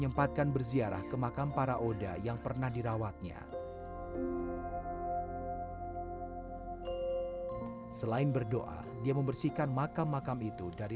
ambil pouvada yang pernah menghasilkan tongs